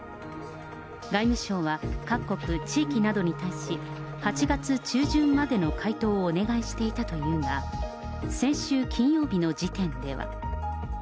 外務省は各国、地域などに対し、８月中旬までの回答をお願いしていたというが、先週金曜日の時点では。